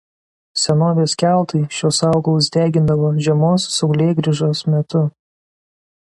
Senovės keltai šiuos augalus degindavo žiemos saulėgrįžos metu.